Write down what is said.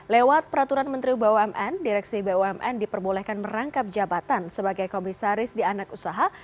lewat peraturan menteri bumn direksi bumn diperbolehkan merangkap jabatan sebagai komisaris di anak usaha